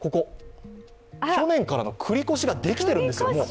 去年からの繰り越しができているんですよ、もう。